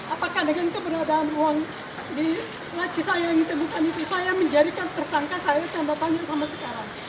apakah dengan keberadaan uang di ngaci saya yang ditemukan itu saya menjadikan tersangka saya tanda tanya sampai sekarang